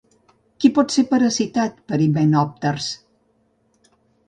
Qui pot ser parasitat per himenòpters?